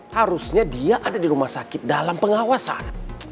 harusnya dia ada di rumah sakit dalam pengawasan